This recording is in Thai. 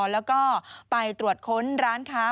แล้วก็ไปตรวจค้นร้านค้า